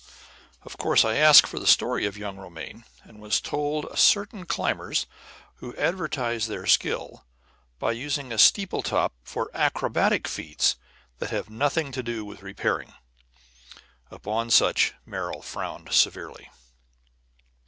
Of course I asked for the story of young Romaine, and was told of certain climbers who advertise their skill by using a steeple top for acrobatic feats that have nothing to do with repairing. Upon such Merrill frowned severely.